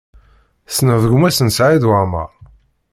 Tessneḍ gma-s n Saɛid Waɛmaṛ?